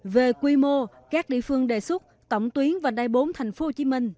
về quy mô các địa phương đề xuất tổng tuyến vành đai bốn thành phố hồ chí minh